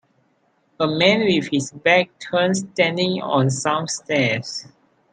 A man with his back turned standing on some stairs.